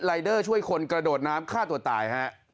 เดอร์ช่วยคนกระโดดน้ำฆ่าตัวตายฮะ